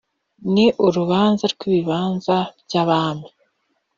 Ni urubanza rw'ibibanza by'Abami